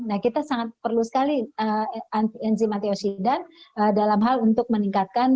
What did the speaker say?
nah kita sangat perlu sekali enzim antioksidan dalam hal untuk meningkatkan